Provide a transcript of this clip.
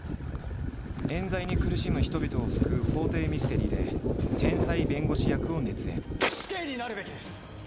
冤罪に苦しむ人々を救う法廷ミステリーで死刑になるべきです！